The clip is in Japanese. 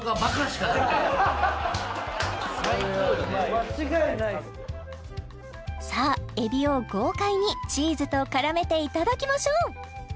これは最高だね間違いないさあ海老を豪快にチーズと絡めていただきましょう